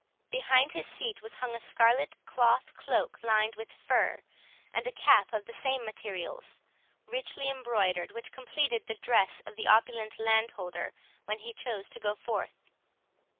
Behind his seat was hung a scarlet cloth cloak lined with fur, and a cap of the same materials richly embroidered, which completed the dress of the opulent landholder when he chose to go forth.